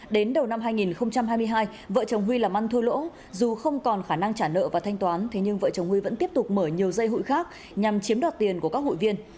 đến đầu năm hai nghìn hai mươi hai vợ chồng huy làm ăn thua lỗ dù không còn khả năng trả nợ và thanh toán thế nhưng vợ chồng huy vẫn tiếp tục mở nhiều dây hụi khác nhằm chiếm đoạt tiền của các hụi viên